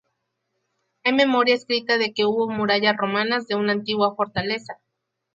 Hay memoria escrita de que hubo murallas romanas de una antigua fortaleza.